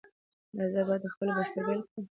ایا زه باید خپله بستر بیله کړم؟